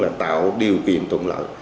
là tạo điều kiện tụng lợi